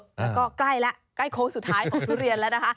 แล้วก็ใกล้แล้วใกล้โค้งสุดท้ายของทุเรียนแล้วนะคะ